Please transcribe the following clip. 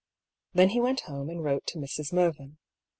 Then he went home, and wrote to Mrs. Mervyn.